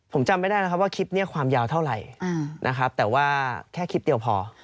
ผมจำไม่ได้นะครับว่าคลิปนี้ความยาวเท่าไหร่นะครับแต่ว่าแค่คลิปเดียวพอ